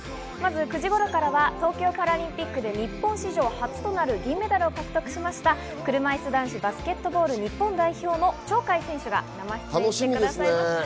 ９時頃からは東京パラリンピックで日本史上初となる銀メダルを獲得した車いす男子バスケットボール日本代表の鳥海選手が生出演してくれます。